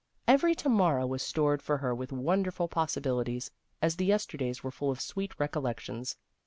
Every to morrow was stored for her with wonderful possibilities, as the yesterdays were full of sweet recollec tions.